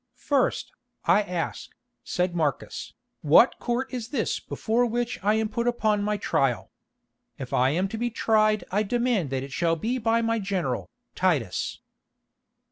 "First, I ask," said Marcus, "what court is this before which I am put upon my trial? If I am to be tried I demand that it shall be by my general, Titus."